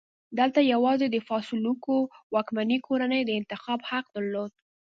دلته یوازې د فاسولوکو واکمنې کورنۍ د انتخاب حق درلود.